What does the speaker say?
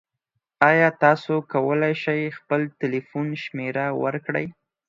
ایا تاسو کولی شئ خپل تلیفون شمیره ورکړئ؟